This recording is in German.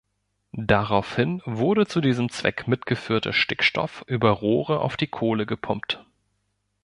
Daraufhin wurde zu diesem Zweck mitgeführter Stickstoff über Rohre auf die Kohle gepumpt.